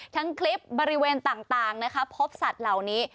ทั้งคลิปบริเวณต่างนะคะพบสัตว์เหล่านี้